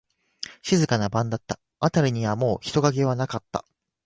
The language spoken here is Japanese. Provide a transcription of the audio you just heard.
静かな晩だった。あたりにはもう人影はなかった。